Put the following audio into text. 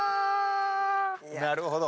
なるほど。